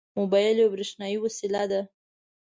موبایل یوه برېښنایي وسیله ده.